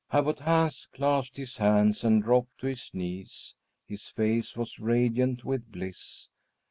Abbot Hans clasped his hands and dropped to his knees. His face was radiant with bliss.